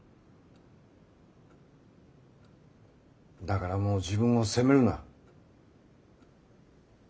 だからもう自分を責めるな。